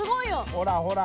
ほらほら！